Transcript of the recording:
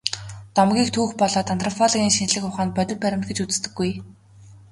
Домгийг түүх болоод антропологийн шинжлэх ухаанд бодит баримт гэж үздэггүй.